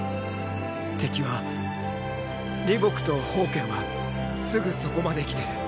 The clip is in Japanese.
敵は李牧と煖はすぐそこまで来てる。